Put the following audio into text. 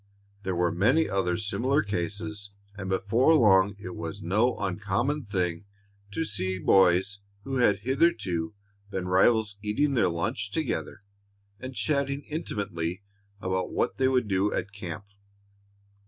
There were many other similar cases, and before long it was no uncommon thing to see boys who had hitherto been rivals eating their lunch together and chatting intimately about what they would do at camp.